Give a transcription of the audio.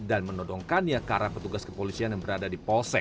dan menodongkannya karena petugas kepolisian yang berada di polsek